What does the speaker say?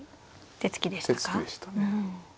手つきでしたね。